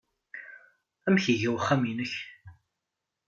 Amek iga uxxam-nnek?